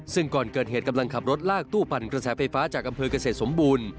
ซึ่งก่อนเกิดเหตุกำลังขับรถลากตู้ปั่นกระแสไฟฟ้าจากอำเภอกเกษตรสมบูรณ์